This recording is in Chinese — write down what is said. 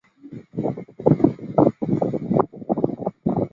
普热米斯尔王朝的波希米亚公爵。